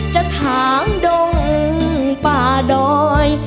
จะถามดงป่าดอย